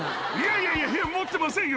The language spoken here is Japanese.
いやいやいや、持ってませんよ。